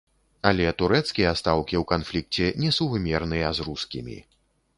Але турэцкія стаўкі ў канфлікце несувымерныя з рускімі.